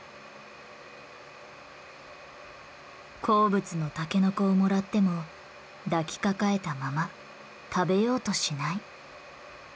好物のタケノコをもらっても抱きかかえたまま食べようとしない。